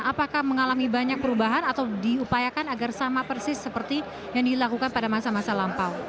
apakah mengalami banyak perubahan atau diupayakan agar sama persis seperti yang dilakukan pada masa masa lampau